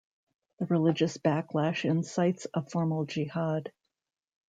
A religious backlash incites a formal jihad.